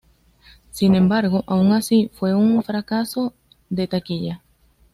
Sin embargo, aun así, fue un fracaso de taquilla.